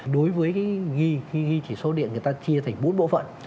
đối với cái ghi khi ghi chỉ số điện người ta chia thành bốn bộ phận